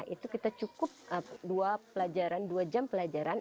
itu kita cukup dua pelajaran dua jam pelajaran